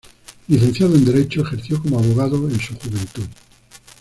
Licenciado en Derecho, ejerció como abogado en su juventud.